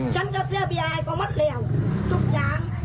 ฉันก็เสียบียายก็หมดแล้วทุกอย่าง